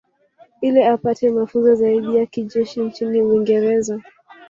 Ili apate mafunzo zaidi ya kijeshi nchini Uingereza